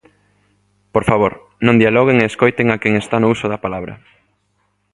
Por favor, non dialoguen e escoiten a quen está no uso da palabra.